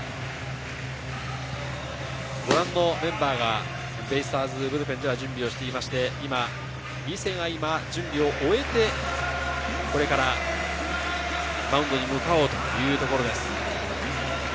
ご覧のメンバーがベイスターズブルペンでは準備をしていまして今、伊勢が準備を終えて、これからマウンドに向かおうというところです。